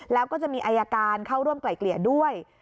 แล้วก็จะมีอายการเข้าร่วมไกล่เกลี่ยด้วย